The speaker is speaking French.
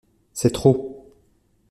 C’est trop.